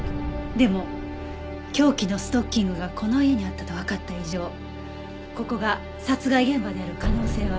でも凶器のストッキングがこの家にあったとわかった以上ここが殺害現場である可能性は否定できません。